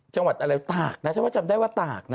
จังหวัดอะไรตากนะฉันว่าจำได้ว่าตากนะ